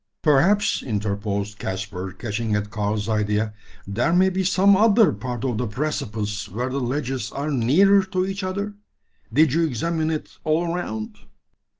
"Perhaps," interposed Caspar, catching at Karl's idea, "there may be some other part of the precipice where the ledges are nearer to each other? Did you examine it all around?"